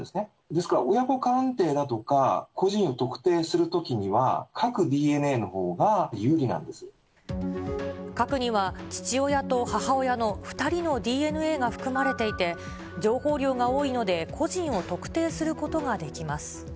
ですから、親子鑑定だとか、個人を特定するときには、核には、父親と母親の２人のＤＮＡが含まれていて、情報量が多いので個人を特定することができます。